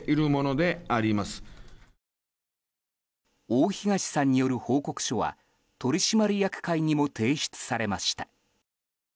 大東さんによる報告書は取締役会にも提出されました。